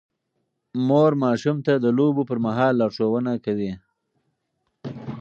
مور ماشوم ته د لوبو پر مهال لارښوونه کوي.